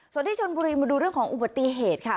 ส่วนที่ชนบุรีมาดูเรื่องของอุบัติเหตุค่ะ